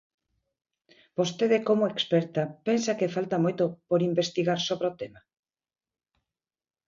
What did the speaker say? Vostede, como experta, pensa que falta moito por investigar sobre o tema?